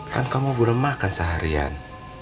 kan kamu belum makan seharian